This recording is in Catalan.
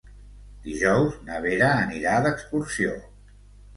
Dijous na Vera anirà d'excursió.